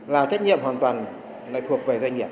là trách nhiệm hoàn toàn thuộc về doanh nghiệp